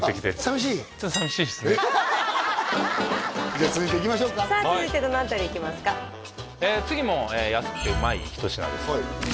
じゃあ続いていきましょうかさあ続いてどの辺りいきますか次も安くてうまい一品ですはい